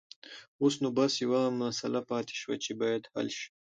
اوس نو بس يوه مسله پاتې شوه چې بايد حل شي.